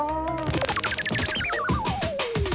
ดูสิ